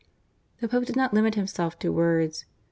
The Pope did not limit himself to words.